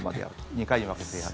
２回に分けてやる。